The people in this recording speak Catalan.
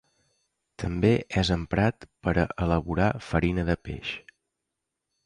També és emprat per a elaborar farina de peix.